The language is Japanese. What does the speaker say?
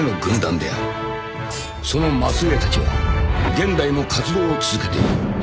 ［その末裔たちは現代も活動を続けている］